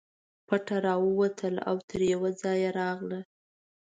پټه راووتله او تر یوه ځایه راغله.